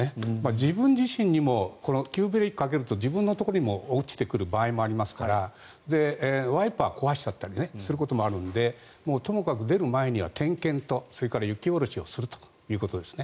自分自身にも急ブレーキをかけると自分のところにも落ちてくる場合もありますからワイパーを壊しちゃったりすることもあるのでともかく出る前には点検とそれから雪下ろしをするということです。